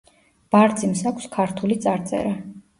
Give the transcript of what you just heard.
ბარძიმს აქვს ქართული წარწერა.